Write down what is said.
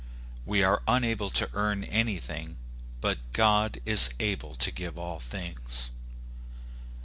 We are unable to earn anything, but God is able to give all things.